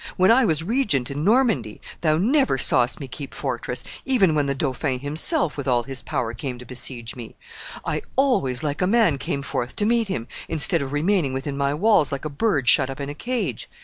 When I was regent in Normandy, thou never sawest me keep fortress, even when the dauphin himself, with all his power, came to besiege me.[D] I always, like a man, came forth to meet him, instead of remaining within my walls, like a bird shut up in a cage.